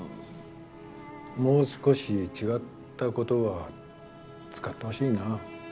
もう少し違った言葉を使ってほしいな。